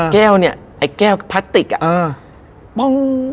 แก้วเนี่ยไอ้แก้วพลาสติกอ่ะ